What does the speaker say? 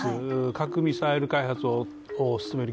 核・ミサイル開発を進める